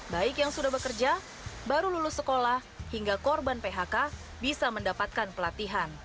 baik yang sudah bekerja baru lulus sekolah hingga korban phk bisa mendapatkan pelatihan